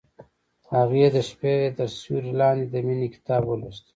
هغې د شپه تر سیوري لاندې د مینې کتاب ولوست.